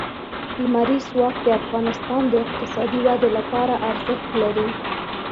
لمریز ځواک د افغانستان د اقتصادي ودې لپاره ارزښت لري.